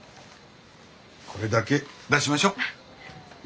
これだけ出しましょう。